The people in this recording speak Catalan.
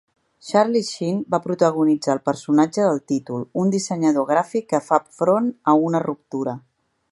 Charlie Sheen va protagonitzar el personatge del títol, un dissenyador gràfic que fa front a una ruptura.